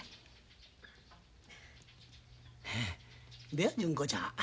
どや純子ちゃん